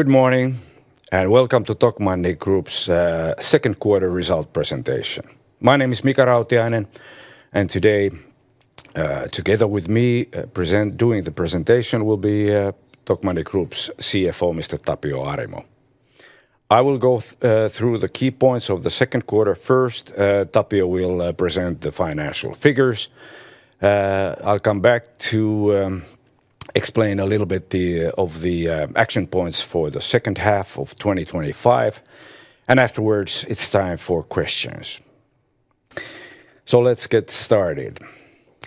Good morning and welcome to Tokmanni Group's second quarter result presentation. My name is Mika Rautiainen and today, together with me, doing the presentation will be Tokmanni Group's CFO, Mr. Tapio Arimo. I will go through the key points of the second quarter first. Tapio will present the financial figures. I'll come back to explain a little bit of the action points for the second half of 2025. Afterwards, it's time for questions. Let's get started.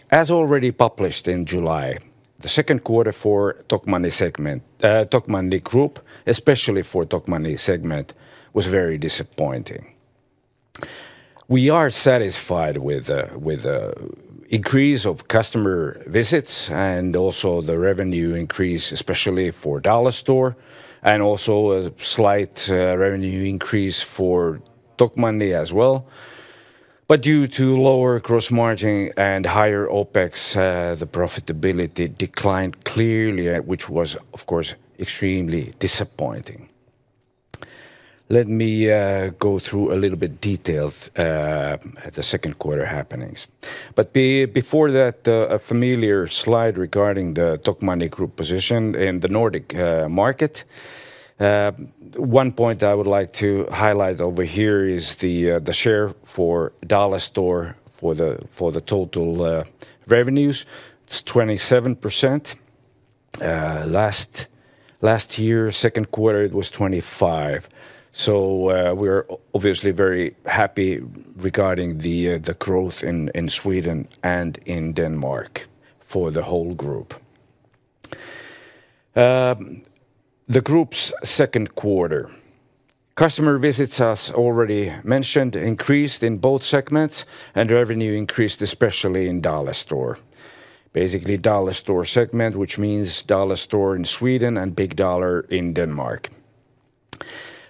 As already published in July, the second quarter for Tokmanni Group, especially for the Tokmanni segment, was very disappointing. We are satisfied with the increase of customer visits and also the revenue increase, especially for Dollarstore, and also a slight revenue increase for Tokmanni as well. Due to lower gross margin and higher OpEx, the profitability declined clearly, which was, of course, extremely disappointing. Let me go through a little bit detailed at the second quarter happenings. Before that, a familiar slide regarding the Tokmanni Group position in the Nordic market. One point I would like to highlight over here is the share for Dollarstore for the total revenues. It's 27%. Last year, second quarter, it was 25%. We are obviously very happy regarding the growth in Sweden and in Denmark for the whole group. The group's second quarter customer visits, as already mentioned, increased in both segments and revenue increased, especially in Dollarstore. Basically, Dollarstore segment, which means Dollarstore in Sweden and Big Dollar in Denmark.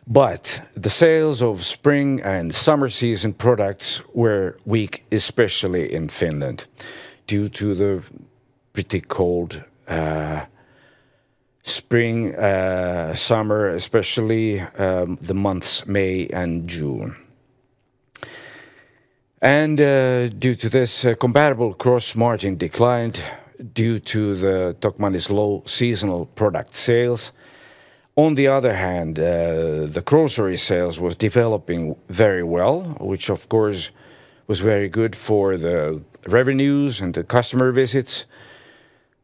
The sales of spring and summer season products were weak, especially in Finland, due to the pretty cold spring, summer, especially the months May and June. Due to this, comparable gross margin declined due to Tokmanni's low seasonal product sales. On the other hand, the grocery sales were developing very well, which of course was very good for the revenues and the customer visits.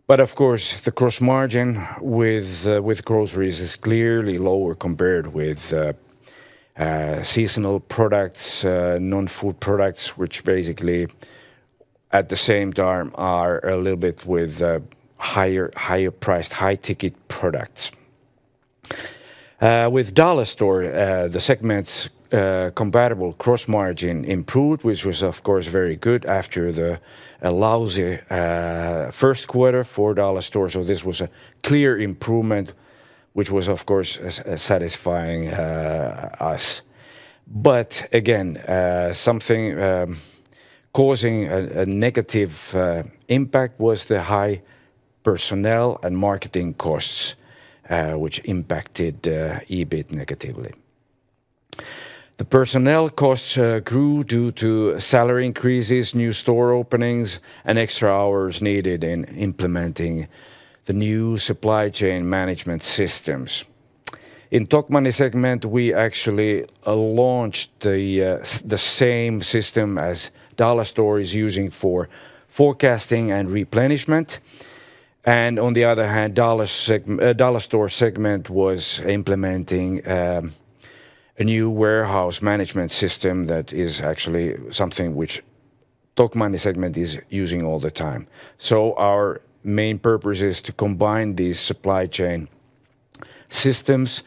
Of course, the gross margin with groceries is clearly lower compared with seasonal products, non-food products, which basically at the same time are a little bit with higher priced, high ticket products. With Dollarstore, the segment's comparable gross margin improved, which was of course very good after the lousy first quarter for Dollarstore. This was a clear improvement, which was of course satisfying us. Again, something causing a negative impact was the high personnel and marketing costs, which impacted EBIT negatively. The personnel costs grew due to salary increases, new store openings, and extra hours needed in implementing the new supply chain management systems. In Tokmanni segment, we actually launched the same system as Dollarstore is using for forecasting and replenishment. On the other hand, the Dollarstore segment was implementing a new warehouse management system that is actually something which the Tokmanni segment is using all the time. Our main purpose is to combine these supply chain systems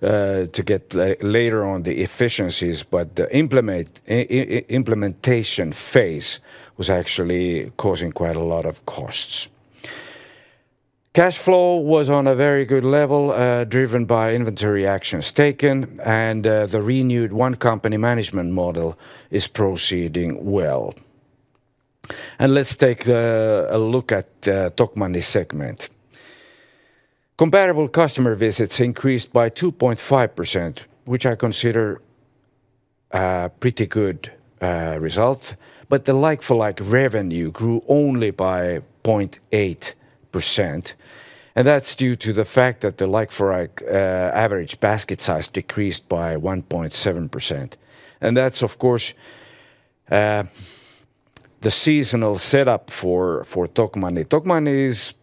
to get later on the efficiencies, but the implementation phase was actually causing quite a lot of costs. Cash flow was on a very good level, driven by inventory actions taken, and the renewed one-company management model is proceeding well. Let's take a look at the Tokmanni segment. Comparable customer visits increased by 2.5%, which I consider a pretty good result, but the like-for-like revenue grew only by 0.8%. That's due to the fact that the like-for-like average basket size decreased by 1.7%. That's, of course, the seasonal setup for Tokmanni. Tokmanni is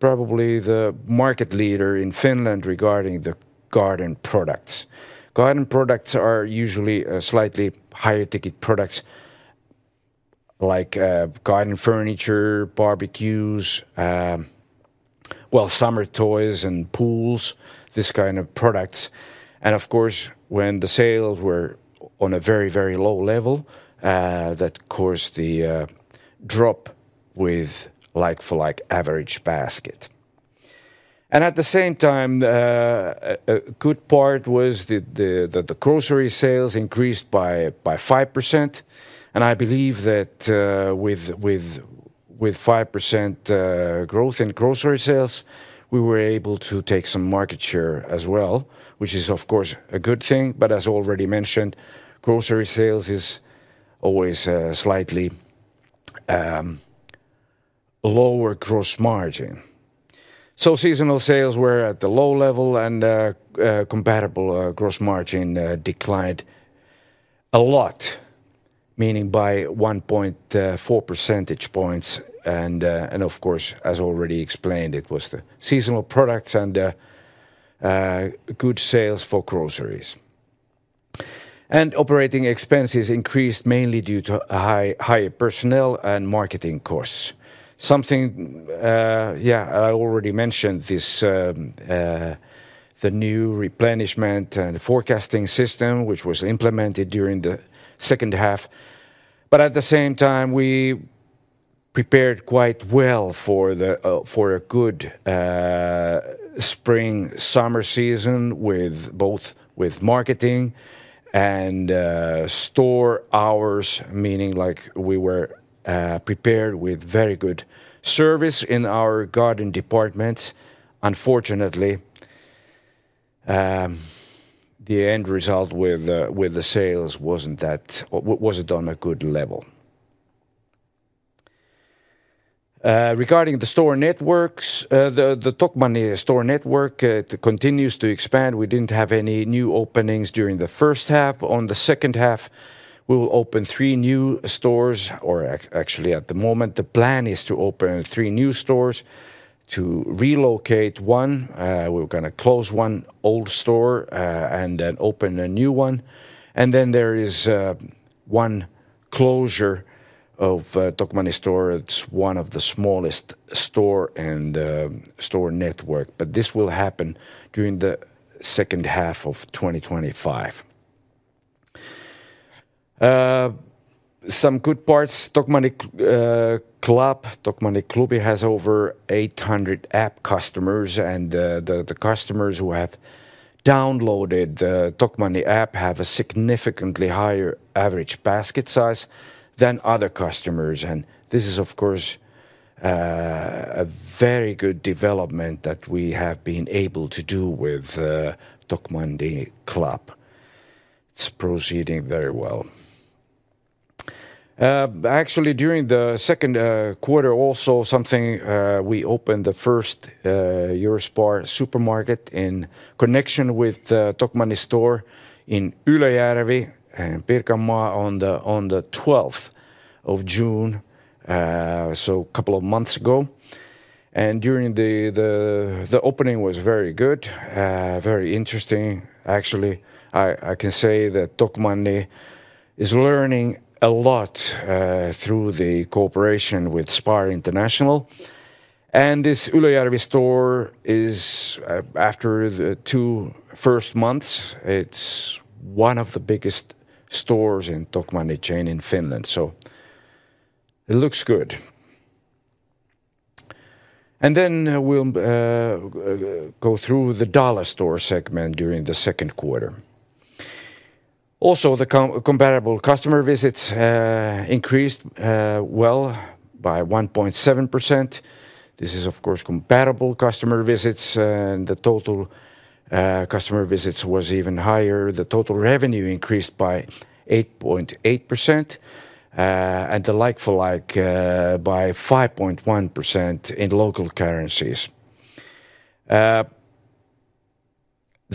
probably the market leader in Finland regarding the garden products. Garden products are usually slightly higher ticket products like garden furniture, barbecues, summer toys and pools, this kind of products. Of course, when the sales were on a very, very low level, that caused the drop with like-for-like average basket. At the same time, a good part was that the grocery sales increased by 5%. I believe that with 5% growth in grocery sales, we were able to take some market share as well, which is of course a good thing. As already mentioned, grocery sales are always slightly lower gross margin. Seasonal sales were at the low level and comparable gross margin declined a lot, meaning by 1.4 percentage points. As already explained, it was the seasonal products and good sales for groceries. Operating expenses increased mainly due to higher personnel and marketing costs. I already mentioned this, the new replenishment and forecasting system, which was implemented during the second half. At the same time, we prepared quite well for a good spring-summer season with both marketing and store hours, meaning like we were prepared with very good service in our garden departments. Unfortunately, the end result with the sales wasn't on a good level. Regarding the store networks, the Tokmanni store network continues to expand. We didn't have any new openings during the first half. In the second half, we will open three new stores, or actually at the moment, the plan is to open three new stores, to relocate one. We're going to close one old store and then open a new one. There is one closure of a Tokmanni store. It's one of the smallest stores in the store network. This will happen during the second half of 2025. Some good parts: Tokmanni Club, Tokmanni Klubi, has over 800 app customers, and the customers who have downloaded the Tokmanni Club app have a significantly higher average basket size than other customers. This is, of course, a very good development that we have been able to do with Tokmanni Club. It's proceeding very well. Actually, during the second quarter, we opened the first EUROSPAR supermarket in connection with the Tokmanni store in Ylöjärvi in Pirkanmaa on the 12th of June, so a couple of months ago. During the opening, it was very good, very interesting. I can say that Tokmanni is learning a lot through the cooperation with SPAR International. This Ylöjärvi store is, after the two first months, one of the biggest stores in the Tokmanni chain in Finland. It looks good. We will go through the Dollarstore segment during the second quarter. The comparable customer visits increased well by 1.7%. This is, of course, comparable customer visits, and the total customer visits was even higher. The total revenue increased by 8.8% and the like-for-like by 5.1% in local currencies. The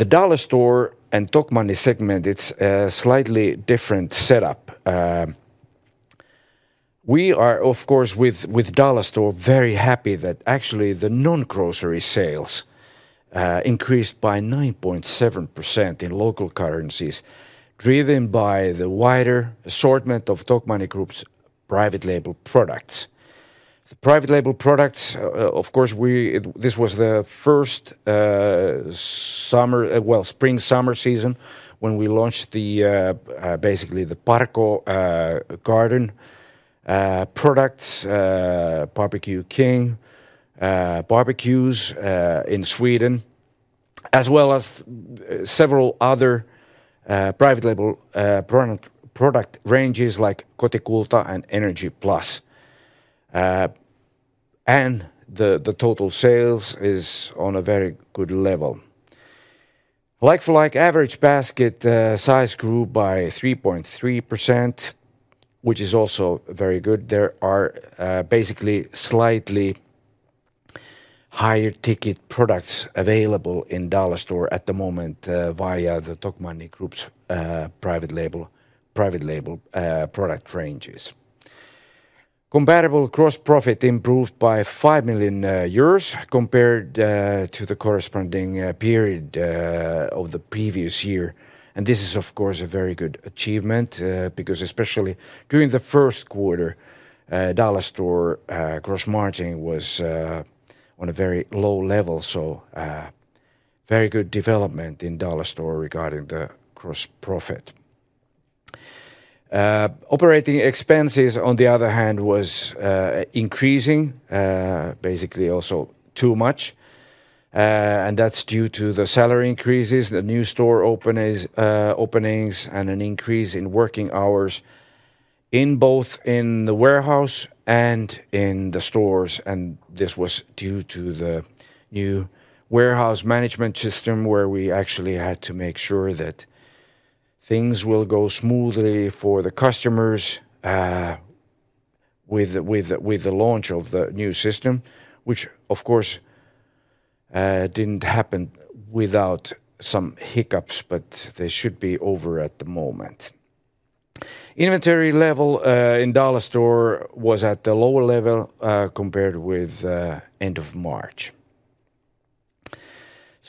Dollarstore and Tokmanni segment, it's a slightly different setup. We are, of course, with Dollarstore very happy that actually the non-grocery sales increased by 9.7% in local currencies, driven by the wider assortment of Tokmanni Group's private label products. The private label products, this was the first summer, spring-summer season when we launched basically the Parco Garden products, BBQ King barbecues in Sweden, as well as several other private label product ranges like Kotikulta and Energy+. The total sales are on a very good level. Like-for-like average basket size grew by 3.3%, which is also very good. There are basically slightly higher ticket products available in Dollarstore at the moment via the Tokmanni Group's private label product ranges. Comparable gross profit improved by 5 million euros compared to the corresponding period of the previous year. This is, of course, a very good achievement because especially during the first quarter, Dollarstore gross margin was on a very low level. Very good development in Dollarstore regarding the gross profit. Operating expenses, on the other hand, were increasing, basically also too much. That's due to the salary increases, the new store openings, and an increase in working hours in both the warehouse and in the stores. This was due to the new warehouse management system where we actually had to make sure that things will go smoothly for the customers with the launch of the new system, which, of course, didn't happen without some hiccups, but they should be over at the moment. Inventory level in Dollarstore was at the lower level compared with the end of March.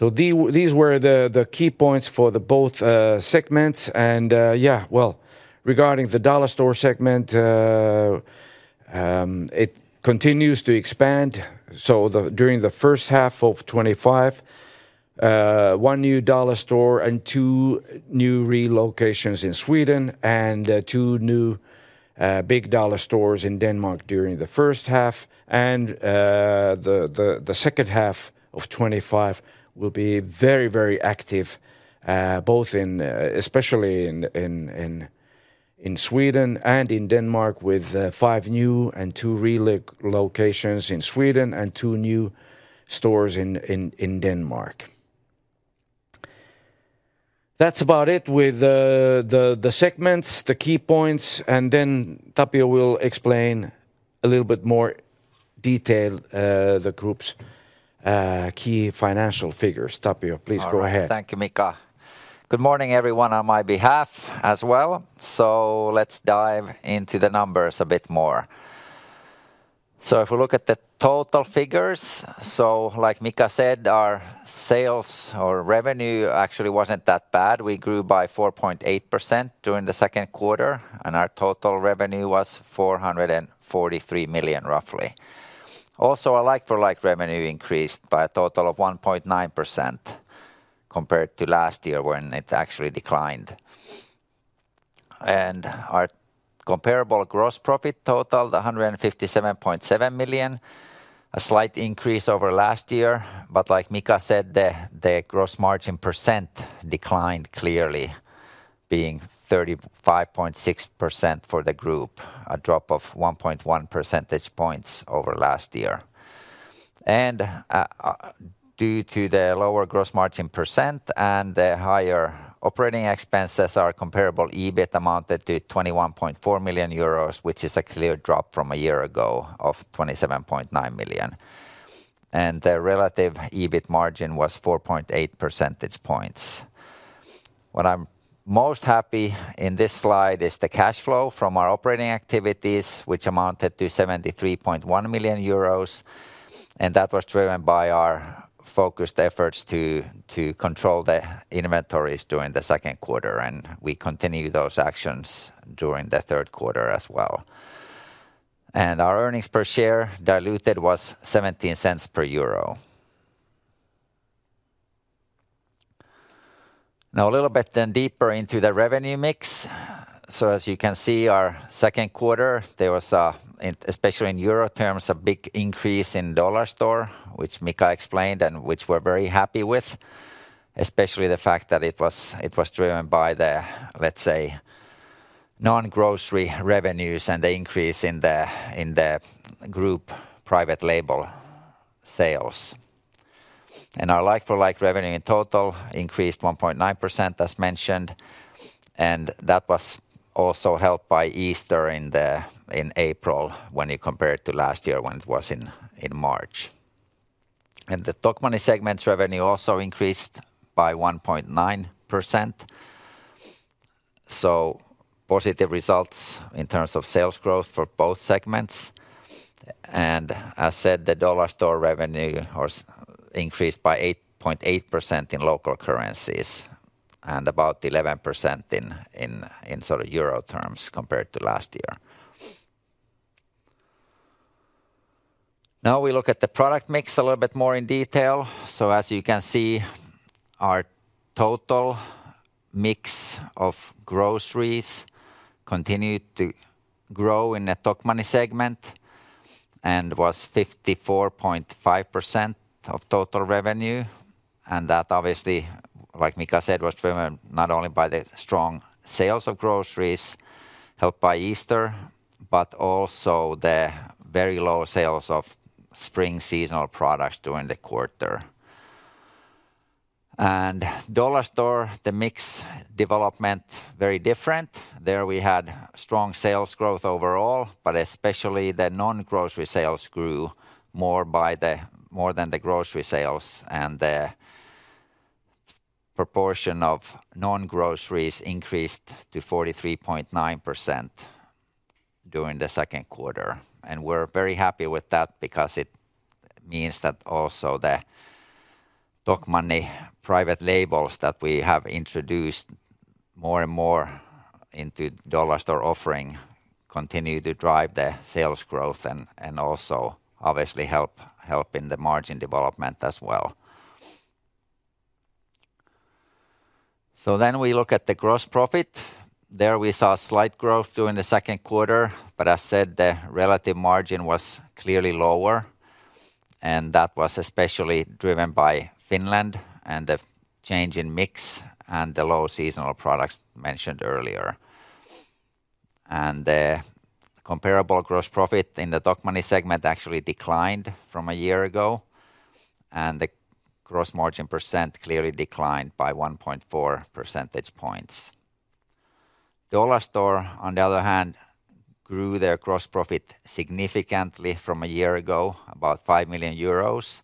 These were the key points for both segments. Regarding the Dollarstore segment, it continues to expand. During the first half of 2025, one new Dollarstore and two new relocations in Sweden and two new Big Dollar stores in Denmark during the first half. The second half of 2025 will be very, very active, especially in Sweden and in Denmark, with five new and two relocations in Sweden and two new stores in Denmark. That's about it with the segments, the key points. Tapio will explain a little bit more detail the group's key financial figures. Tapio, please go ahead. Thank you, Mika. Good morning, everyone, on my behalf as well. Let's dive into the numbers a bit more. If we look at the total figures, like Mika said, our sales or revenue actually wasn't that bad. We grew by 4.8% during the second quarter, and our total revenue was approximately 443 million. Also, our like-for-like revenue increased by a total of 1.9% compared to last year when it actually declined. Our comparable gross profit totaled 157.7 million, a slight increase over last year. Like Mika said, the gross margin percent declined clearly, being 35.6% for the group, a drop of 1.1 percentage points over last year. Due to the lower gross margin percent and the higher operating expenses, our comparable EBIT amounted to 21.4 million euros, which is a clear drop from a year ago of 27.9 million. The relative EBIT margin was 4.8 percentage points. What I'm most happy about in this slide is the cash flow from our operating activities, which amounted to 73.1 million euros. That was driven by our focused efforts to control the inventories during the second quarter. We continued those actions during the third quarter as well. Our earnings per share diluted was 0.17. Now, a little bit deeper into the revenue mix. As you can see, in our second quarter, there was, especially in euro terms, a big increase in the Dollarstore, which Mika explained and which we're very happy with, especially the fact that it was driven by the, let's say, non-grocery revenues and the increase in the group private label sales. Our like-for-like revenue in total increased 1.9%, as mentioned. That was also helped by Easter in April when you compare it to last year when it was in March. The Tokmanni segment's revenue also increased by 1.9%. Positive results in terms of sales growth for both segments. The Dollarstore revenue increased by 8.8% in local currencies and about 11% in euro terms compared to last year. Now we look at the product mix a little bit more in detail. As you can see, our total mix of groceries continued to grow in the Tokmanni segment and was 54.5% of total revenue. That obviously, like Mika said, was driven not only by the strong sales of groceries helped by Easter, but also the very low sales of spring seasonal products during the quarter. In Dollarstore, the mix development was very different. There we had strong sales growth overall, especially the non-grocery sales grew more than the grocery sales. The proportion of non-groceries increased to 43.9% during the second quarter. We're very happy with that because it means that also the Tokmanni private labels that we have introduced more and more into Dollarstore offering continue to drive the sales growth and also obviously help in the margin development as well. We look at the gross profit. There we saw slight growth during the second quarter, but as I said, the relative margin was clearly lower. That was especially driven by Finland and the change in mix and the low seasonal products mentioned earlier. The comparable gross profit in the Tokmanni segment actually declined from a year ago. The gross margin percent clearly declined by 1.4 percentage points. Dollarstore, on the other hand, grew their gross profit significantly from a year ago, about 5 million euros.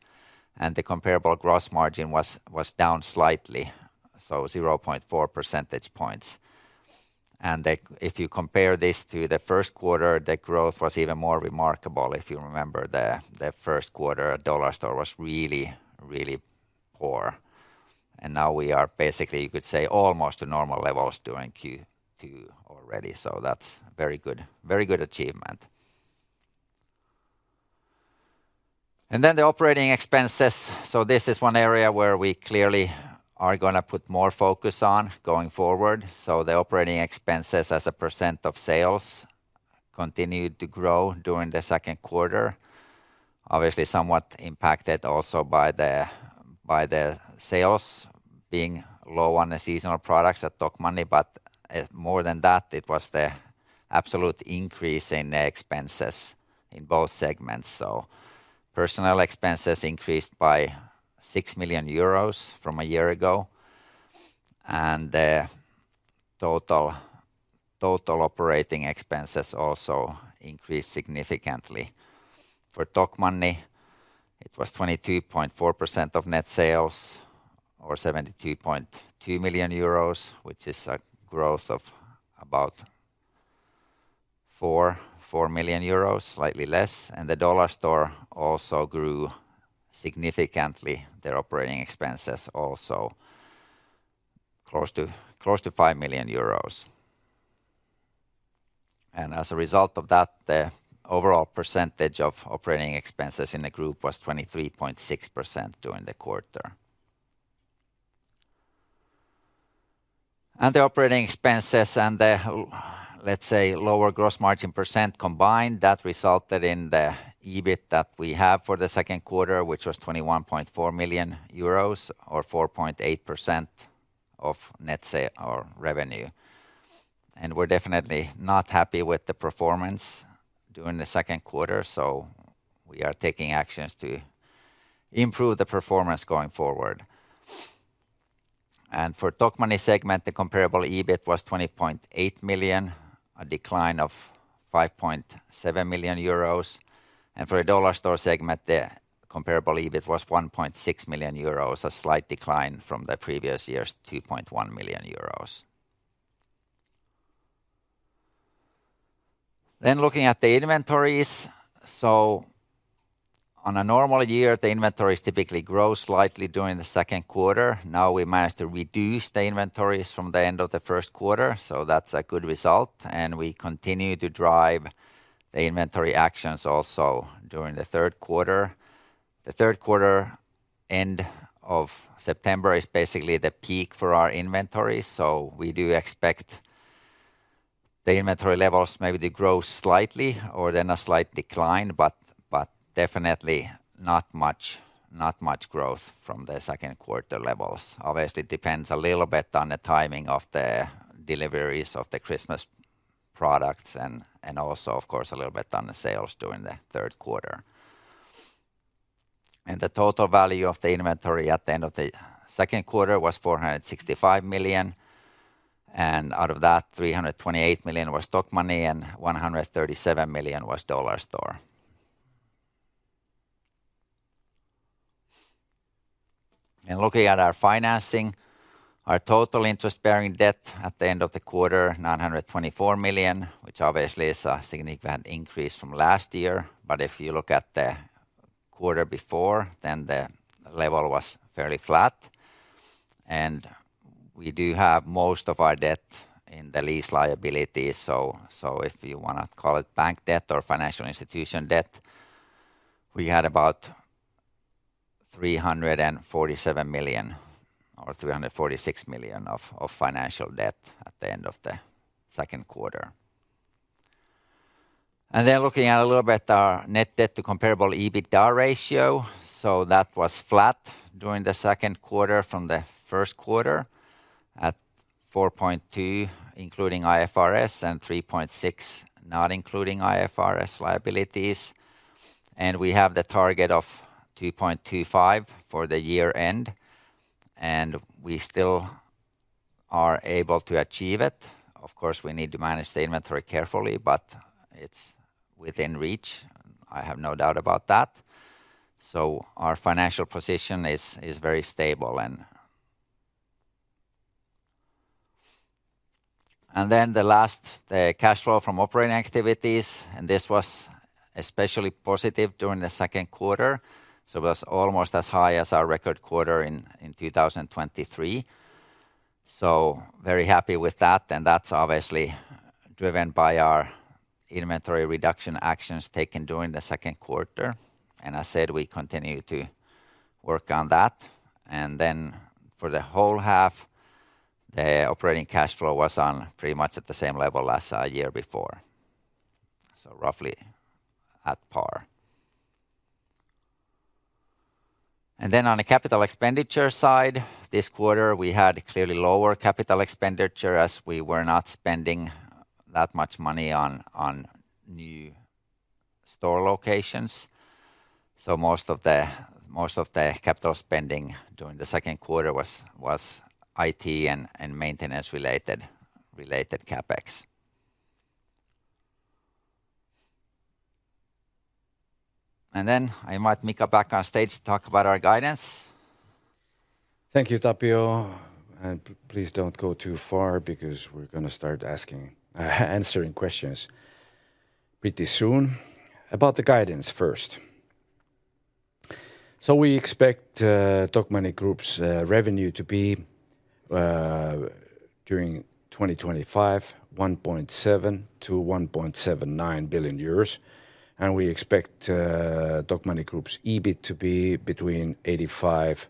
The comparable gross margin was down slightly, so 0.4 percentage points. If you compare this to the first quarter, the growth was even more remarkable. If you remember, the first quarter, Dollarstore was really, really poor. Now we are basically, you could say, almost to normal levels during Q2 already. That's a very good achievement. The operating expenses, this is one area where we clearly are going to put more focus on going forward. The operating expenses as a percent of sales continued to grow during the second quarter. Obviously, somewhat impacted also by the sales being low on the seasonal products at Tokmanni, but more than that, it was the absolute increase in the expenses in both segments. Personnel expenses increased by 6 million euros from a year ago. The total operating expenses also increased significantly. For Tokmanni, it was 22.4% of net sales, over 72.2 million euros, which is a growth of about 4 million euros, slightly less. The Dollarstore also grew significantly. Their operating expenses also were close to 5 million euros. As a result of that, the overall percentage of operating expenses in the group was 23.6% during the quarter. The operating expenses and the, let's say, lower gross margin percent combined, that resulted in the EBIT that we have for the second quarter, which was 21.4 million euros or 4.8% of net sales or revenue. We're definitely not happy with the performance during the second quarter. We are taking actions to improve the performance going forward. For the Tokmanni segment, the comparable EBIT was 20.8 million, a decline of 5.7 million euros. For the Dollarstore segment, the comparable EBIT was 1.6 million euros, a slight decline from the previous year's 2.1 million euros. Looking at the inventories, on a normal year, the inventories typically grow slightly during the second quarter. We managed to reduce the inventories from the end of the first quarter, which is a good result. We continue to drive the inventory actions also during the third quarter. The third quarter end of September is basically the peak for our inventories. We do expect the inventory levels maybe to grow slightly or see a slight decline, but definitely not much growth from the second quarter levels. Obviously, it depends a little bit on the timing of the deliveries of the Christmas products and also, of course, a little bit on the sales during the third quarter. The total value of the inventory at the end of the second quarter was 465 million. Out of that, 328 million was Tokmanni and 137 million was Dollarstore. Looking at our financing, our total interest-bearing debt at the end of the quarter was 924 million, which is a significant increase from last year. If you look at the quarter before, the level was fairly flat. We do have most of our debt in the lease liabilities. If you want to call it bank debt or financial institution debt, we had about 347 million or 346 million of financial debt at the end of the second quarter. Looking at our net debt to comparable EBITDA ratio, that was flat during the second quarter from the first quarter at 4.2 including IFRS and 3.6 not including IFRS liabilities. We have the target of 2.25 for the year end, and we still are able to achieve it. Of course, we need to manage the inventory carefully, but it's within reach. I have no doubt about that. Our financial position is very stable. The cash flow from operating activities was especially positive during the second quarter. It was almost as high as our record quarter in 2023. I am very happy with that, and that's obviously driven by our inventory reduction actions taken during the second quarter. As I said, we continue to work on that. For the whole half, the operating cash flow was pretty much at the same level as a year before. Roughly at par. On the capital expenditure side, this quarter we had clearly lower capital expenditure as we were not spending that much money on new store locations. Most of the capital spending during the second quarter was IT and maintenance-related CapEx. I invite Mika back on stage to talk about our guidance. Thank you, Tapio. Please don't go too far because we're going to start answering questions pretty soon about the guidance first. We expect Tokmanni Group's revenue to be during 2025 1.7 billion-1.79 billion euros. We expect Tokmanni Group's EBIT to be between 85 million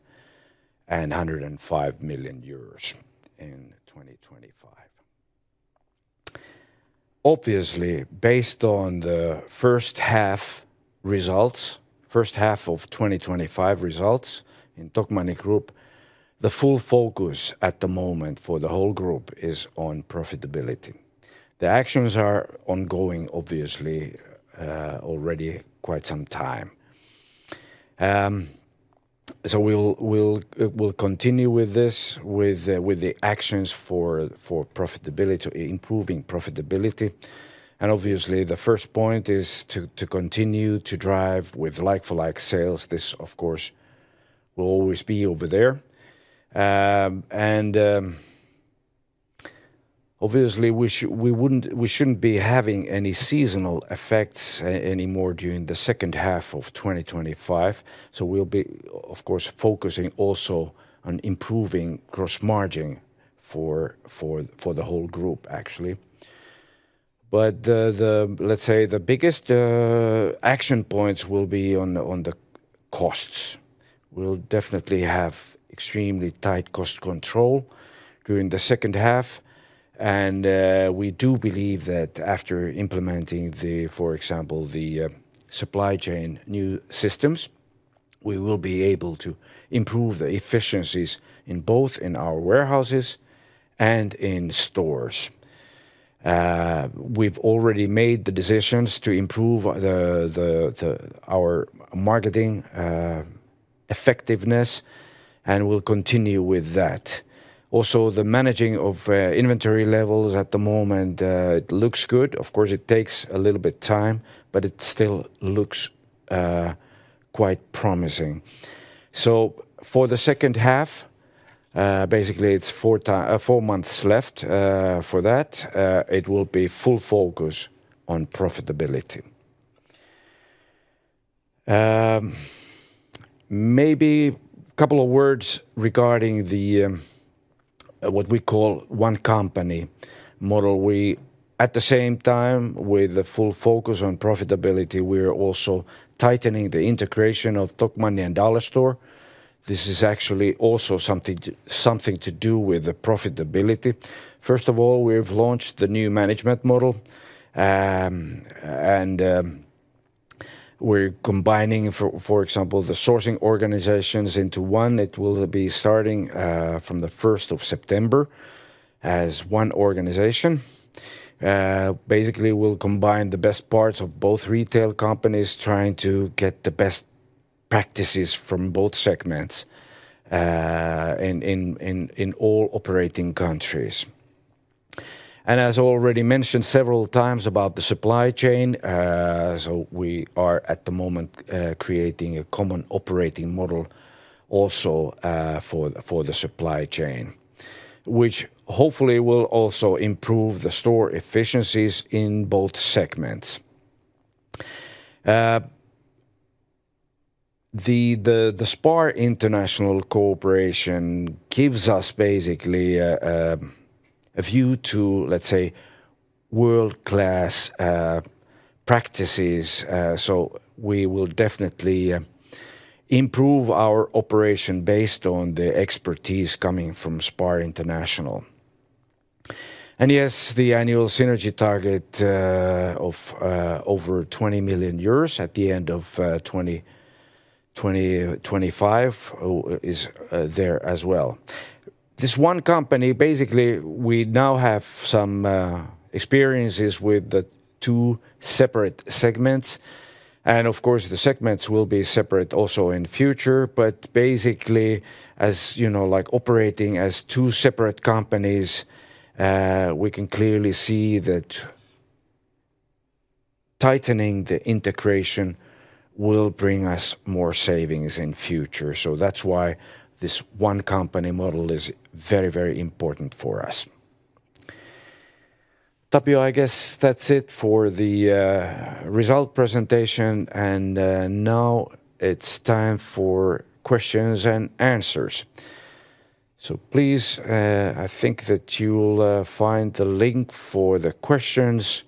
and 105 million euros in 2025. Obviously, based on the first half results, first half of 2025 results in Tokmanni Group, the full focus at the moment for the whole group is on profitability. The actions are ongoing, obviously, already quite some time. We'll continue with this, with the actions for improving profitability. Obviously, the first point is to continue to drive with like-for-like sales. This, of course, will always be over there. We shouldn't be having any seasonal effects anymore during the second half of 2025. We'll be, of course, focusing also on improving gross margin for the whole group, actually. The biggest action points will be on the costs. We'll definitely have extremely tight cost control during the second half. We do believe that after implementing, for example, the supply chain new systems, we will be able to improve the efficiencies in both our warehouses and in stores. We've already made the decisions to improve our marketing effectiveness, and we'll continue with that. Also, the managing of inventory levels at the moment looks good. Of course, it takes a little bit of time, but it still looks quite promising. For the second half, basically, it's four months left for that. It will be full focus on profitability. Maybe a couple of words regarding what we call one-company model. We, at the same time, with the full focus on profitability, are also tightening the integration of Tokmanni and Dollarstore. This is actually also something to do with the profitability. First of all, we've launched the new management model. We're combining, for example, the sourcing organizations into one. It will be starting from the 1st of September as one organization. Basically, we'll combine the best parts of both retail companies, trying to get the best practices from both segments in all operating countries. As already mentioned several times about the supply chain, we are at the moment creating a common operating model also for the supply chain, which hopefully will also improve the store efficiencies in both segments. SPAR International gives us basically a view to, let's say, world-class practices. We will definitely improve our operation based on the expertise coming from SPAR International. Yes, the annual synergy target of over 20 million euros at the end of 2025 is there as well. This one company, basically, we now have some experiences with the two separate segments. Of course, the segments will be separate also in the future. Basically, as you know, like operating as two separate companies, we can clearly see that tightening the integration will bring us more savings in the future. That is why this one-company model is very, very important for us. Tapio, I guess that's it for the result presentation. Now it's time for questions and answers. Please, I think that you'll find the link for the questions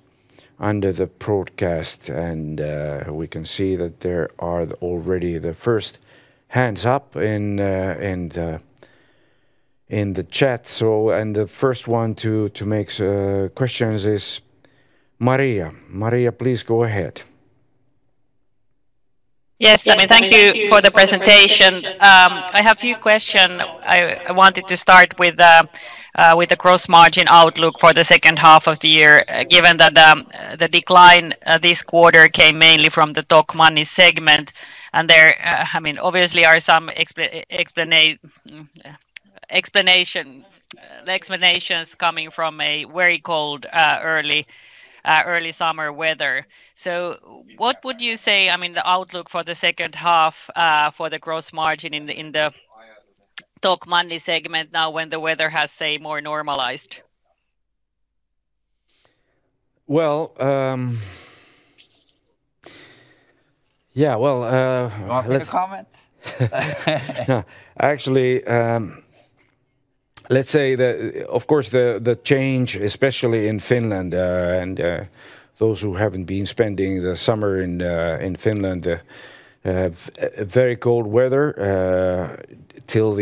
under the broadcast. We can see that there are already the first hands up in the chat. The first one to make questions is Maria. Maria, please go ahead. Yes, let me thank you for the presentation. I have a few questions. I wanted to start with the gross margin outlook for the second half of the year, given that the decline this quarter came mainly from the Tokmanni segment. There, I mean, obviously, are some explanations coming from a very cold, early summer weather. What would you say, I mean, the outlook for the second half for the gross margin in the Tokmanni segment now when the weather has, say, more normalized? Yeah. Want me to comment? Let's say that, of course, the change, especially in Finland, and those who haven't been spending the summer in Finland, have very cold weather till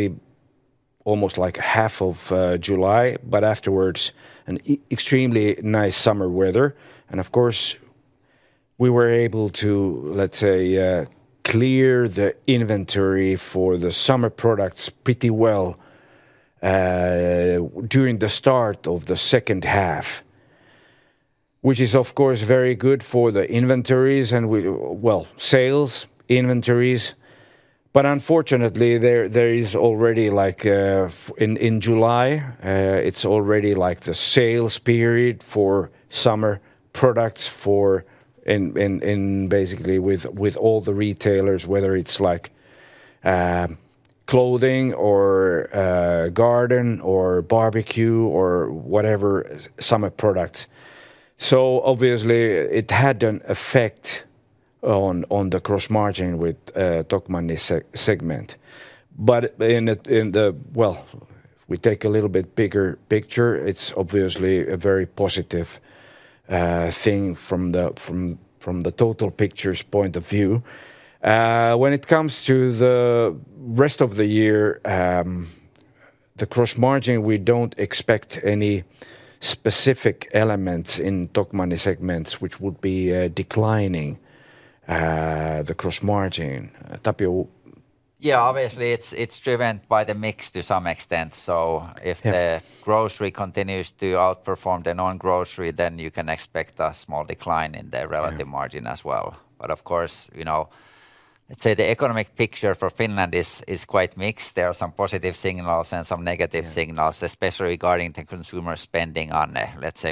almost like half of July, but afterwards, an extremely nice summer weather. Of course, we were able to clear the inventory for the summer products pretty well during the start of the second half, which is, of course, very good for the inventories and, well, sales inventories. Unfortunately, there is already, like in July, it's already like the sales period for summer products for, and basically with all the retailers, whether it's like clothing or garden or barbecue or whatever summer products. Obviously, it had an effect on the gross margin with Tokmanni segment. If we take a little bit bigger picture, it's obviously a very positive thing from the total picture's point of view. When it comes to the rest of the year, the gross margin, we don't expect any specific elements in Tokmanni segments which would be declining the gross margin. Tapio? Yeah, obviously, it's driven by the mix to some extent. If the grocery continues to outperform the non-grocery, then you can expect a small decline in the relative margin as well. Of course, the economic picture for Finland is quite mixed. There are some positive signals and some negative signals, especially regarding the consumer spending on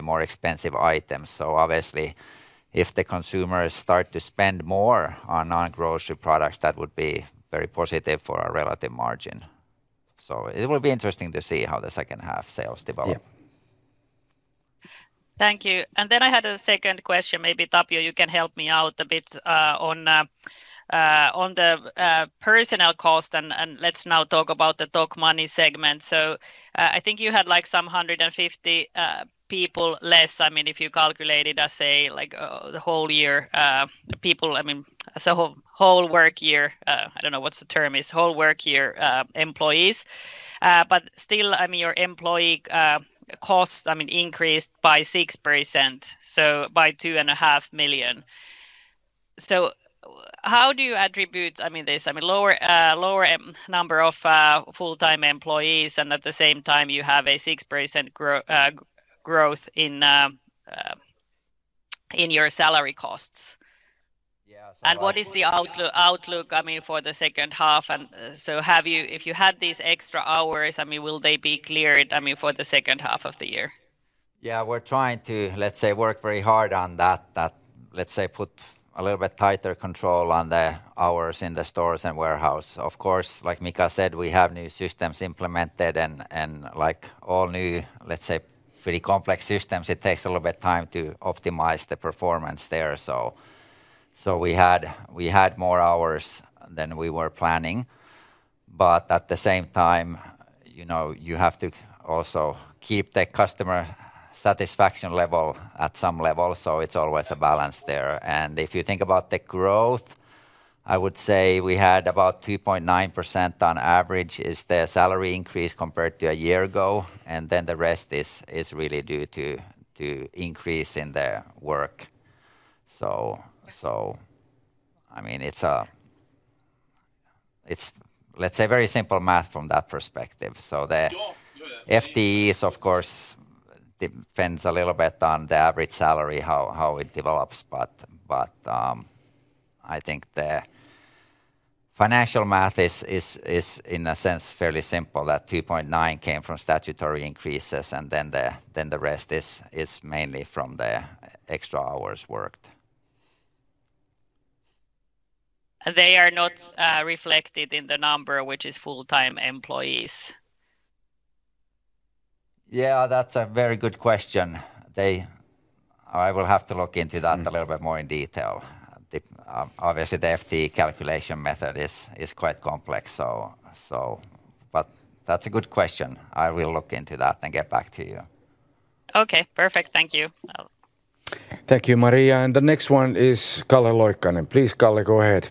more expensive items. Obviously, if the consumers start to spend more on non-grocery products, that would be very positive for a relative margin. It will be interesting to see how the second half sales develop. Thank you. I had a second question. Maybe Tapio, you can help me out a bit on the personnel cost. Let's now talk about the Tokmanni segment. I think you had like some 150 people less. If you calculated, let's say, like the whole year, people, as a whole work year, I don't know what the term is, whole work year employees. Still, your employee cost increased by 6%, so by 2.5 million. How do you attribute this lower number of full-time employees and at the same time, you have a 6% growth in your salary costs? Yeah, so. What is the outlook for the second half? Have you had these extra hours, will they be cleared for the second half of the year? Yeah, we're trying to, let's say, work very hard on that, that let's say put a little bit tighter control on the hours in the stores and warehouse. Of course, like Mika said, we have new systems implemented and like all new, let's say, pretty complex systems, it takes a little bit of time to optimize the performance there. We had more hours than we were planning. At the same time, you know, you have to also keep the customer satisfaction level at some level. It's always a balance there. If you think about the growth, I would say we had about 2.9% on average is the salary increase compared to a year ago. The rest is really due to increase in the work. I mean, it's a, let's say, very simple math from that perspective. The FTEs, of course, depend a little bit on the average salary, how it develops. I think the financial math is, in a sense, fairly simple, that 2.9% came from statutory increases and then the rest is mainly from the extra hours worked. They are not reflected in the number, which is full-time employees. Yeah, that's a very good question. I will have to look into that a little bit more in detail. Obviously, the FTE calculation method is quite complex. That's a good question. I will look into that and get back to you. Okay, perfect. Thank you. Thank you, Maria. The next one is Calle Loikkanen. Please, Calle, go ahead.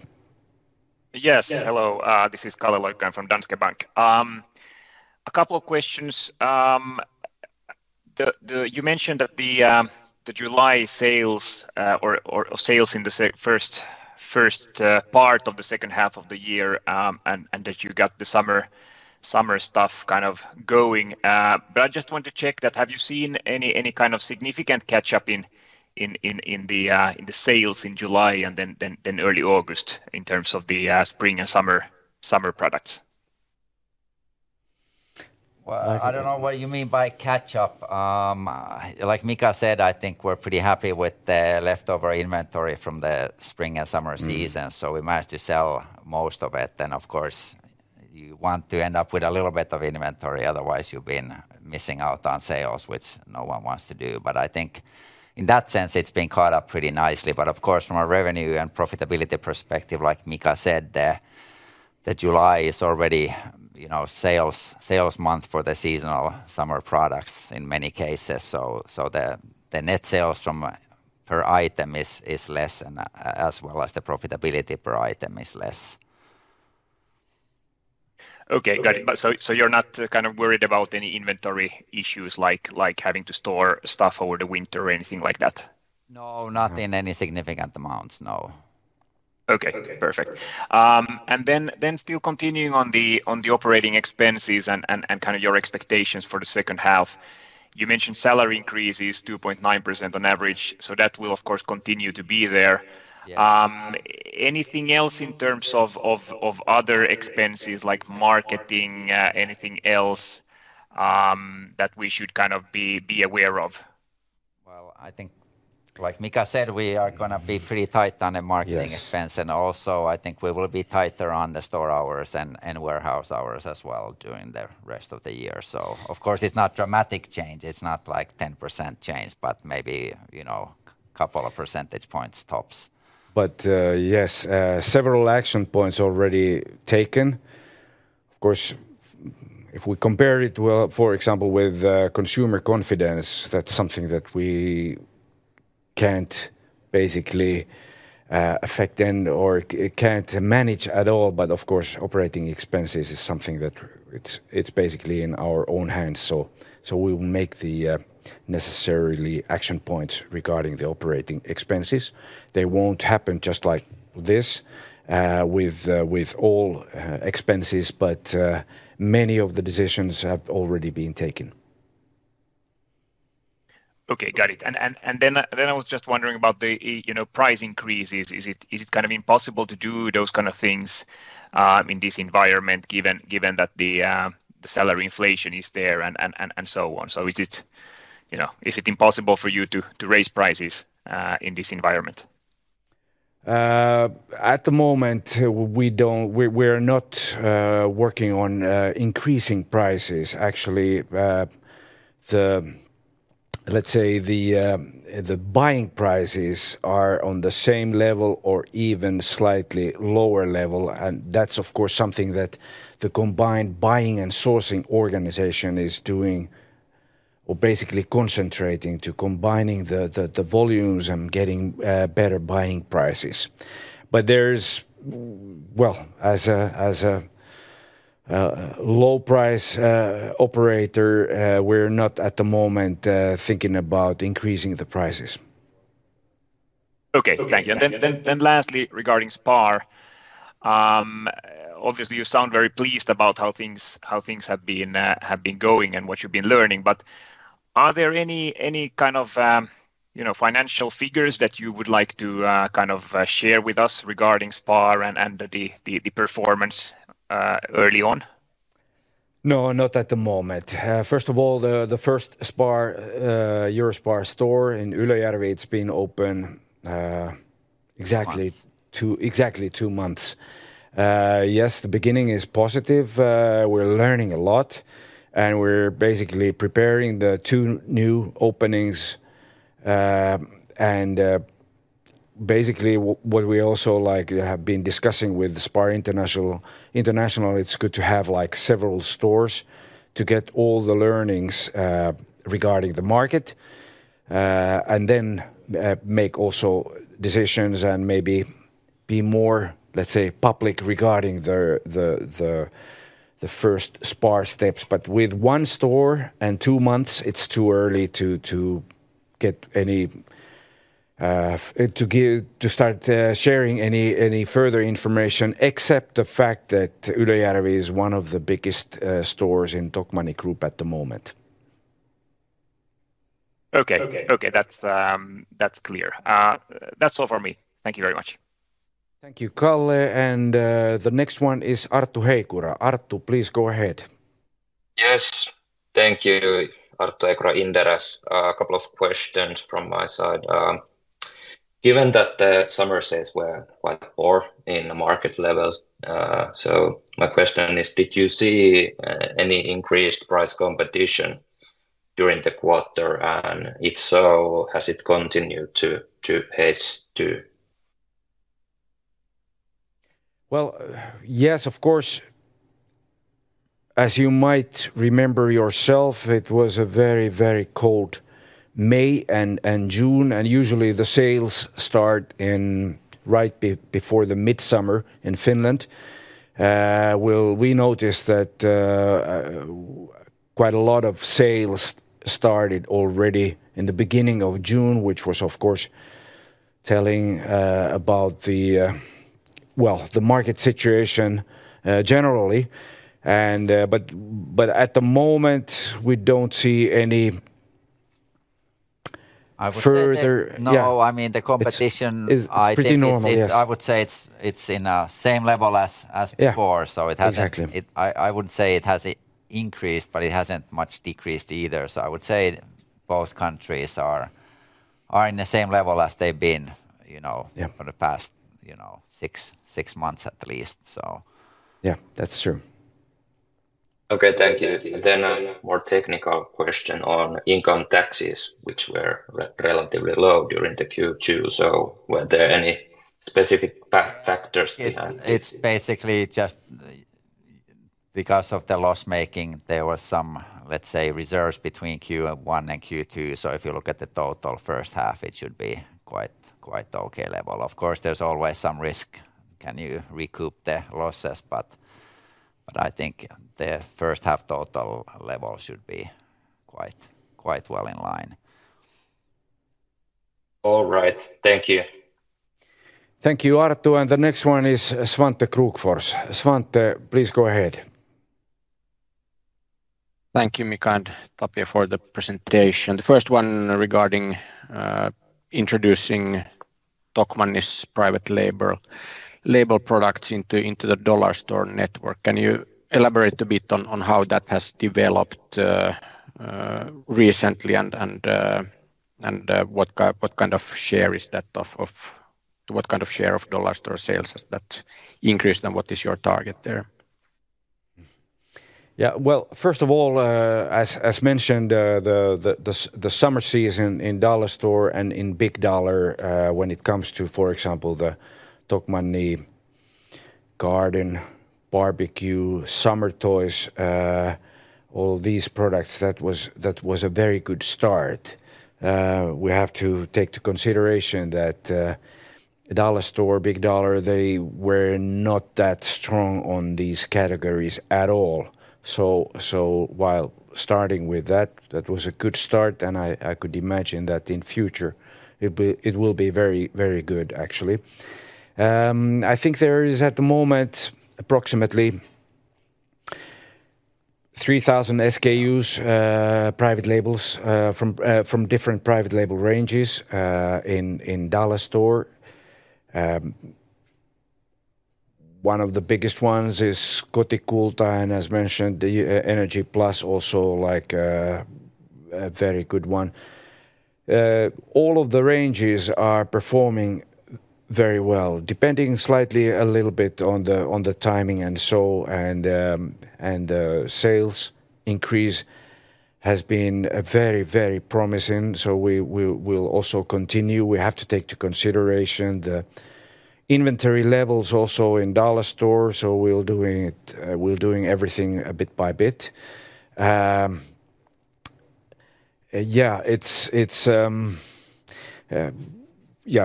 Yes, hello. This is Calle Loikkanen from Danske Bank. A couple of questions. You mentioned that the July sales or sales in the first part of the second half of the year and that you got the summer stuff kind of going. I just want to check that. Have you seen any kind of significant catch-up in the sales in July and then early August in terms of the spring and summer products? I don't know what you mean by catch-up. Like Mika said, I think we're pretty happy with the leftover inventory from the spring and summer season. We managed to sell most of it. Of course, you want to end up with a little bit of inventory. Otherwise, you've been missing out on sales, which no one wants to do. I think in that sense, it's been caught up pretty nicely. Of course, from a revenue and profitability perspective, like Mika said, July is already, you know, sales month for the seasonal summer products in many cases. The net sales from per item is less, and as well as the profitability per item is less. Okay, got it. You're not kind of worried about any inventory issues like having to store stuff over the winter or anything like that? No, not in any significant amounts, no. Okay, perfect. Still continuing on the operating expenses and kind of your expectations for the second half, you mentioned salary increases 2.9% on average. That will, of course, continue to be there. Anything else in terms of other expenses like marketing, anything else that we should kind of be aware of? I think, like Mika said, we are going to be pretty tight on the marketing expense. I think we will be tighter on the store hours and warehouse hours as well during the rest of the year. Of course, it's not a dramatic change. It's not like a 10% change, but maybe, you know, a couple of percentage points tops. Yes, several action points already taken. For example, with consumer confidence, that's something that we can't basically affect or can't manage at all. Of course, operating expenses is something that it's basically in our own hands. We will make the necessary action points regarding the operating expenses. They won't happen just like this with all expenses, but many of the decisions have already been taken. Okay, got it. I was just wondering about the price increases. Is it kind of impossible to do those kinds of things in this environment, given that the salary inflation is there and so on? Is it impossible for you to raise prices in this environment? At the moment, we're not working on increasing prices. Actually, let's say the buying prices are on the same level or even slightly lower level. That's, of course, something that the combined buying and sourcing organization is doing, basically concentrating on combining the volumes and getting better buying prices. As a low-price operator, we're not at the moment thinking about increasing the prices. Okay, thank you. Lastly, regarding SPAR, obviously, you sound very pleased about how things have been going and what you've been learning. Are there any kind of financial figures that you would like to share with us regarding SPAR and the performance early on? No, not at the moment. First of all, the first SPAR, EUROSPAR store in Ylöjärvi, it's been open exactly two months. Yes, the beginning is positive. We're learning a lot, and we're basically preparing the two new openings. What we also have been discussing with SPAR International, it's good to have several stores to get all the learnings regarding the market and then make also decisions and maybe be more, let's say, public regarding the first SPAR steps. With one store and two months, it's too early to start sharing any further information except the fact that Ylöjärvi is one of the biggest stores in Tokmanni Group at the moment. Okay, that's clear. That's all for me. Thank you very much. Thank you, Calle. The next one is Arttu Heikura. Arttu, please go ahead. Yes, thank you, Arttu Heikura. A couple of questions from my side. Given that the summer sales were quite poor in the market level, my question is, did you see any increased price competition during the quarter? If so, has it continued to? Yes, of course. As you might remember yourself, it was a very, very cold May and June. Usually, the sales start right before the midsummer in Finland. We noticed that quite a lot of sales started already in the beginning of June, which was, of course, telling about the market situation generally. At the moment, we don't see any further. I mean, the competition, I would say it's in the same level as before. I wouldn't say it has increased, but it hasn't much decreased either. I would say both countries are in the same level as they've been for the past six months at least. Yeah, that's true. Okay, thank you. A more technical question on income taxes, which were relatively low during the Q2. Were there any specific factors? It's basically just because of the loss-making, there were some reserves between Q1 and Q2. If you look at the total first half, it should be quite okay level. Of course, there's always some risk. Can you recoup the losses? I think the first half total level should be quite well in line. All right, thank you. Thank you, Arttu. The next one is Svante Krokfors. Svante, please go ahead. Thank you, Mika and Tapio, for the presentation. The first one regarding introducing Tokmanni's private label products into the Dollarstore network. Can you elaborate a bit on how that has developed recently, and what kind of share is that, or what kind of share of Dollarstore sales has that increased, and what is your target there? First of all, as mentioned, the summer season in Dollarstore and in Big Dollar, when it comes to, for example, the Tokmanni garden, barbecue, summer toys, all these products, that was a very good start. We have to take into consideration that Dollarstore, Big Dollar, they were not that strong on these categories at all. While starting with that, that was a good start, and I could imagine that in the future, it will be very, very good, actually. I think there is at the moment approximately 3,000 SKUs, private labels from different private label ranges in Dollarstore. One of the biggest ones is Kotikulta and, as mentioned, the Energy+ also, like a very good one. All of the ranges are performing very well, depending slightly a little bit on the timing and so. Sales increase has been very, very promising. We will also continue. We have to take into consideration the inventory levels also in Dollarstore. We're doing everything a bit by bit.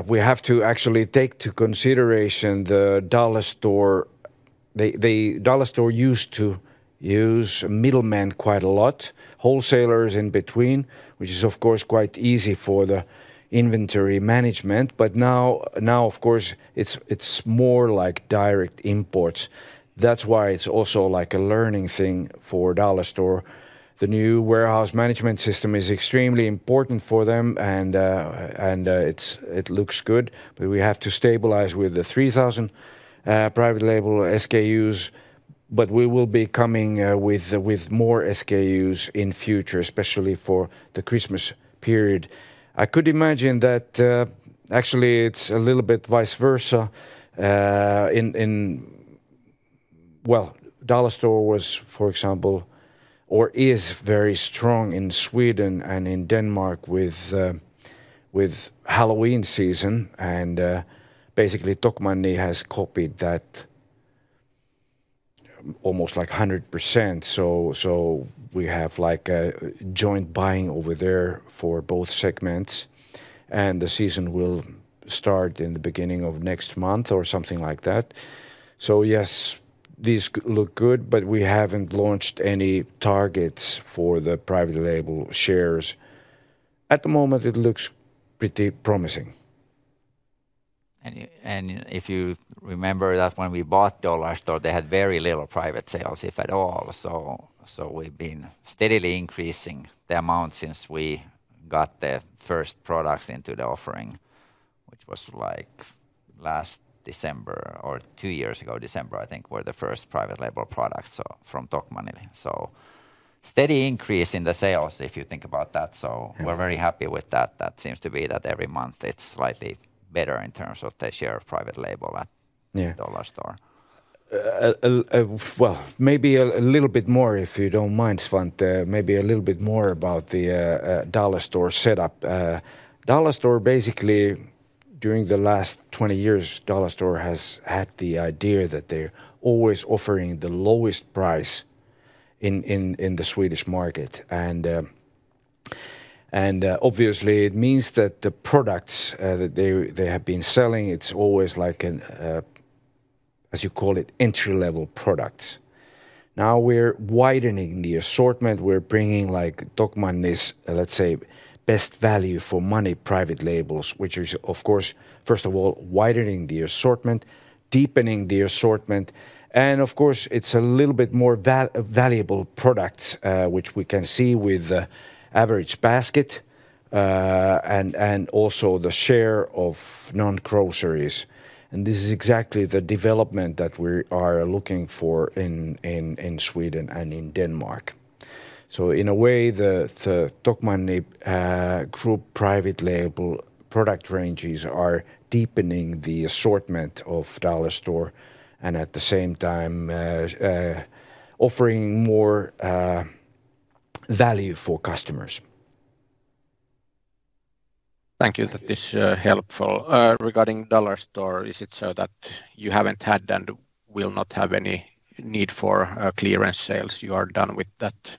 We have to actually take into consideration the Dollarstore. The Dollarstore used to use middlemen quite a lot, wholesalers in between, which is, of course, quite easy for the inventory management. Now, of course, it's more like direct imports. That's why it's also like a learning thing for Dollarstore. The new warehouse management system is extremely important for them, and it looks good. We have to stabilize with the 3,000 private label SKUs, but we will be coming with more SKUs in the future, especially for the Christmas period. I could imagine that actually it's a little bit vice versa. Dollarstore was, for example, or is very strong in Sweden and in Denmark with Halloween season. Basically, Tokmanni has copied that almost like 100%. We have like a joint buying over there for both segments. The season will start in the beginning of next month or something like that. Yes, these look good, but we haven't launched any targets for the private label shares. At the moment, it looks pretty promising. If you remember that when we bought Dollarstore, they had very little private label sales, if at all. We've been steadily increasing the amount since we got the first products into the offering, which was like last December or two years ago December, I think, were the first private label products from Tokmanni. There has been a steady increase in the sales if you think about that. We're very happy with that. It seems to be that every month it's slightly better in terms of the share of private label at Dollarstore. Maybe a little bit more, if you don't mind, Svante, maybe a little bit more about the Dollarstore setup. Dollarstore, basically, during the last 20 years, Dollarstore has had the idea that they're always offering the lowest price in the Swedish market. Obviously, it means that the products that they have been selling, it's always like an, as you call it, entry-level products. Now we're widening the assortment. We're bringing like Tokmanni's, let's say, best value for money private labels, which is, of course, first of all, widening the assortment, deepening the assortment. Of course, it's a little bit more valuable products, which we can see with the average basket and also the share of non-groceries. This is exactly the development that we are looking for in Sweden and in Denmark. In a way, the Tokmanni Group private label product ranges are deepening the assortment of Dollarstore and at the same time offering more value for customers. Thank you. That is helpful. Regarding Dollarstore, is it so that you haven't had and will not have any need for clearance sales? You are done with that?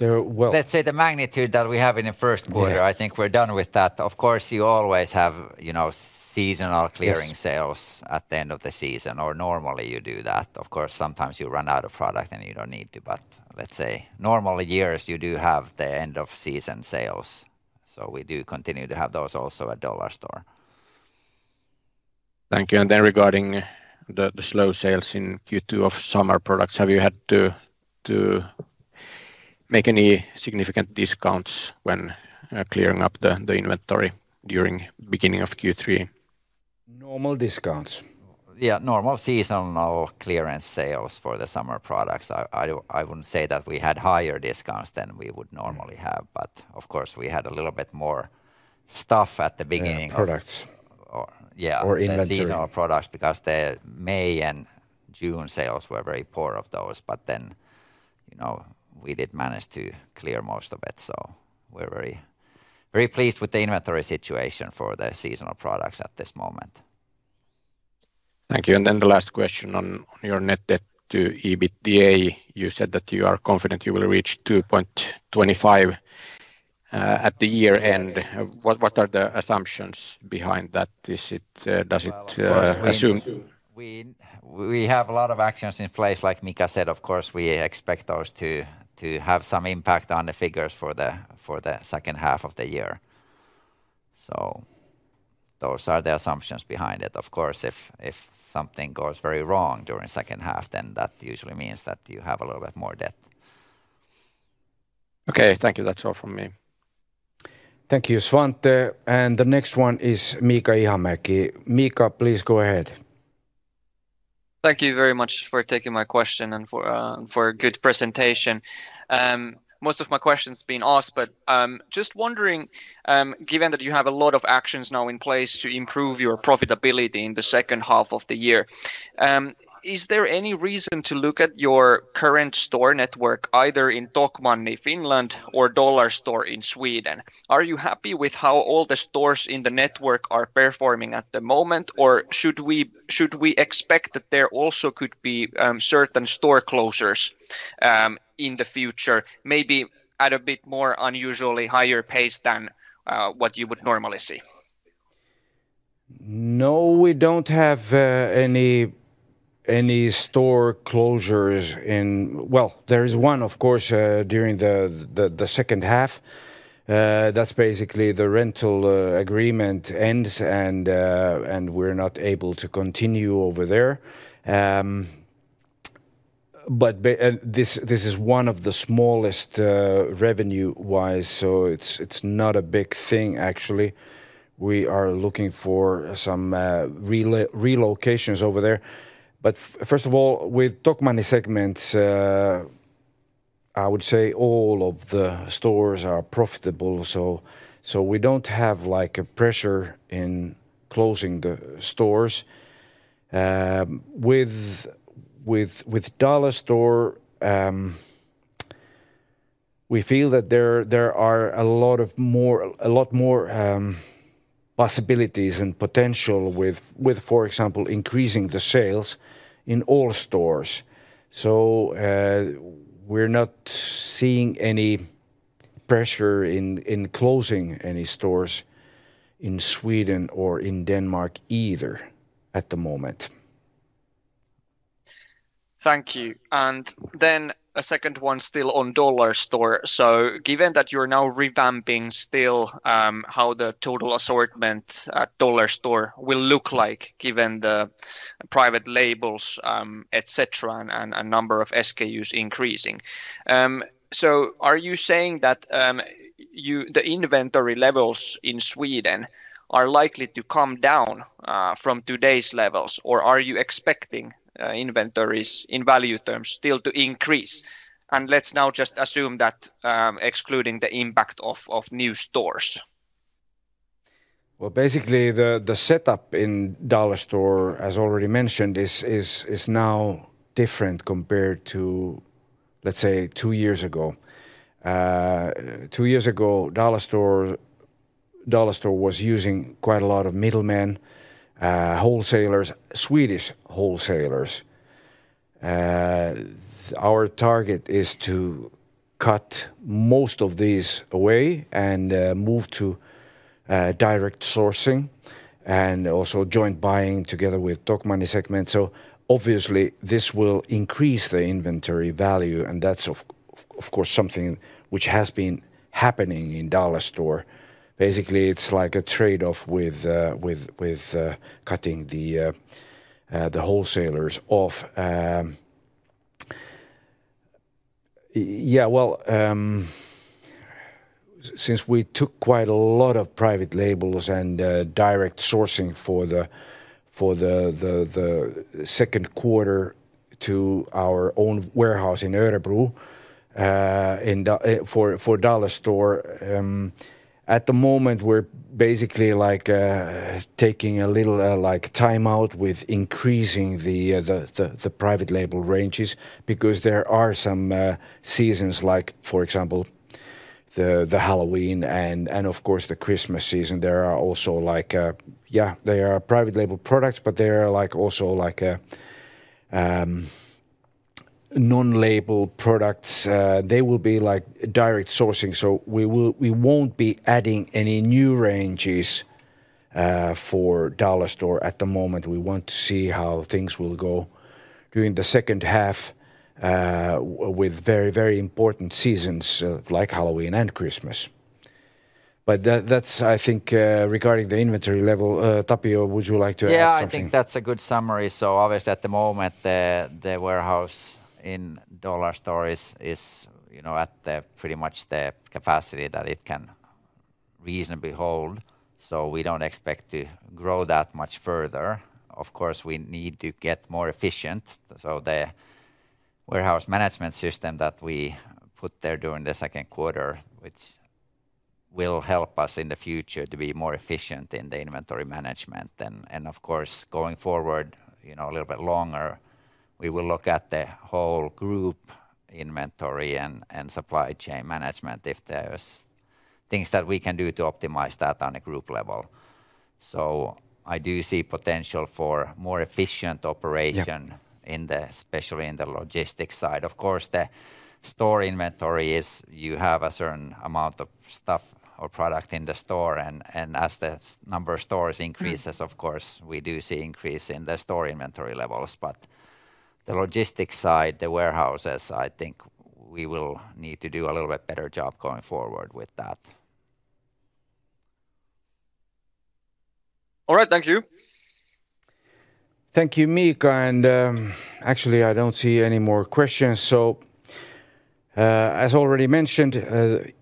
Let's say the magnitude that we have in the first quarter, I think we're done with that. Of course, you always have seasonal clearing sales at the end of the season, or normally you do that. Of course, sometimes you run out of product and you don't need to, but let's say normal years, you do have the end-of-season sales. We do continue to have those also at Dollarstore. Thank you. Regarding the slow sales in Q2 of summer products, have you had to make any significant discounts when clearing up the inventory during the beginning of Q3? Normal discounts? Yeah, normal seasonal clearance sales for the summer products. I wouldn't say that we had higher discounts than we would normally have, but of course, we had a little bit more stuff at the beginning. Products. Yeah, or even seasonal products because the May and June sales were very poor for those, but we did manage to clear most of it. We are very, very pleased with the inventory situation for the seasonal products at this moment. Thank you. The last question on your net debt to EBITDA. You said that you are confident you will reach 2.25 at the year end. What are the assumptions behind that? Does it assume? We have a lot of actions in place, like Mika said. Of course, we expect those to have some impact on the figures for the second half of the year. Those are the assumptions behind it. Of course, if something goes very wrong during the second half, that usually means that you have a little bit more debt. Okay, thank you. That's all from me. Thank you, Svante. The next one is Mika Ihamäki. Mika, please go ahead. Thank you very much for taking my question and for a good presentation. Most of my questions have been asked, but I'm just wondering, given that you have a lot of actions now in place to improve your profitability in the second half of the year, is there any reason to look at your current store network, either in Tokmanni, Finland, or Dollarstore in Sweden? Are you happy with how all the stores in the network are performing at the moment, or should we expect that there also could be certain store closures in the future, maybe at a bit more unusually higher pace than what you would normally see? No, we don't have any store closures in... There is one, of course, during the second half. That's basically the rental agreement ends, and we're not able to continue over there. This is one of the smallest revenue-wise, so it's not a big thing, actually. We are looking for some relocations over there. First of all, with Tokmanni segments, I would say all of the stores are profitable. We don't have like a pressure in closing the stores. With Dollarstore, we feel that there are a lot more, a lot more possibilities and potential with, for example, increasing the sales in all stores. We're not seeing any pressure in closing any stores in Sweden or in Denmark either at the moment. Thank you. A second one still on Dollarstore. Given that you're now revamping how the total assortment at Dollarstore will look given the private labels, etc., and a number of SKUs increasing, are you saying that the inventory levels in Sweden are likely to come down from today's levels, or are you expecting inventories in value terms still to increase? Let's now just assume that excluding the impact of new stores. Basically, the setup in Dollarstore, as already mentioned, is now different compared to, let's say, two years ago. Two years ago, Dollarstore was using quite a lot of middlemen, wholesalers, Swedish wholesalers. Our target is to cut most of these away and move to direct sourcing and also joint buying together with Tokmanni segments. Obviously, this will increase the inventory value. That's, of course, something which has been happening in Dollarstore. Basically, it's like a trade-off with cutting the wholesalers off. Since we took quite a lot of private labels and direct sourcing for the second quarter to our own warehouse in Örebro for Dollarstore, at the moment, we're basically like taking a little time out with increasing the private label ranges because there are some seasons, like for example, the Halloween and, of course, the Christmas season. There are also private label products, but there are also non-label products. They will be direct sourcing. We won't be adding any new ranges for Dollarstore at the moment. We want to see how things will go during the second half with very, very important seasons like Halloween and Christmas. That's, I think, regarding the inventory level. Tapio, would you like to add something? Yeah, I think that's a good summary. Obviously, at the moment, the warehouse in Dollarstore is at pretty much the capacity that it can reasonably hold. We don't expect to grow that much further. Of course, we need to get more efficient. The warehouse management system that we put there during the second quarter will help us in the future to be more efficient in the inventory management. Going forward, a little bit longer, we will look at the whole group inventory and supply chain management if there are things that we can do to optimize that on a group level. I do see potential for more efficient operation, especially in the logistics side. The store inventory is, you have a certain amount of stuff or product in the store. As the number of stores increases, we do see an increase in the store inventory levels. The logistics side, the warehouses, I think we will need to do a little bit better job going forward with that. All right, thank you. Thank you, Mika. Actually, I don't see any more questions. As already mentioned,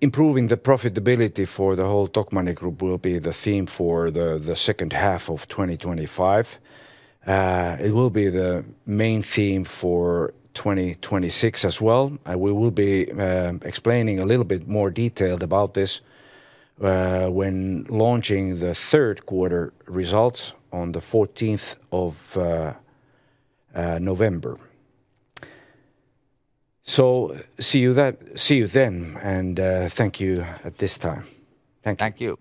improving the profitability for the whole Tokmanni Group will be the theme for the second half of 2025. It will be the main theme for 2026 as well. We will be explaining a little bit more detail about this when launching the third quarter results on the 14th of November. See you then, and thank you at this time. Thank you.